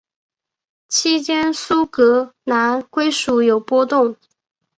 期间苏格兰归属有波动。